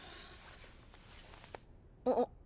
あっ。